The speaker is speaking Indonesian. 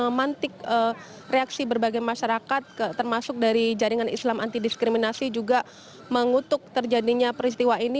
memantik reaksi berbagai masyarakat termasuk dari jaringan islam anti diskriminasi juga mengutuk terjadinya peristiwa ini